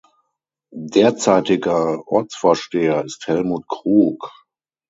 Derzeitiger Ortsvorsteher ist Helmut Krug.